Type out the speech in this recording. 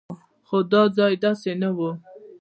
خو دا ځای داسې نه و.